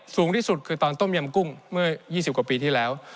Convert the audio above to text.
สูงที่สุดคือตอนต้มยำกุ้งเมื่อ๒๐กว่าปีที่แล้ว